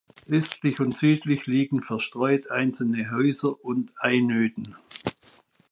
Östlich und südlich liegen verstreut einzelne Häuser und Einöden.